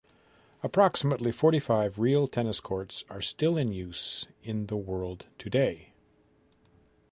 Approximately forty-five real tennis courts are still in use in the world today.